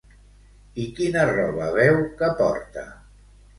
I quina roba veu que porta?